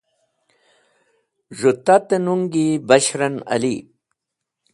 Z̃hu tate nuñgi Bashran Ali.